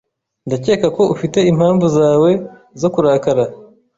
Ndakeka ko ufite impamvu zawe zo kurakara.